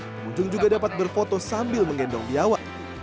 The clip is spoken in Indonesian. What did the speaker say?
pengunjung juga dapat berfoto sambil menggendong biawak